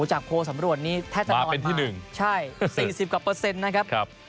จากโพลสำรวจนี้มาเป็นที่หนึ่งใช่สิบกว่าเปอร์เซ็นต์นะครับครับ